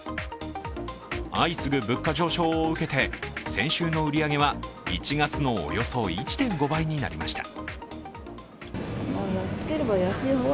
相次ぐ物価上昇を受けて先週の売り上げは１月のおよそ１．５倍になりました。